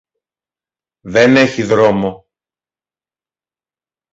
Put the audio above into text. Δεν έχει δρόμο.